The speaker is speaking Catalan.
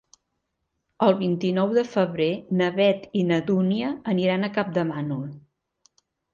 El vint-i-nou de febrer na Beth i na Dúnia aniran a Campdevànol.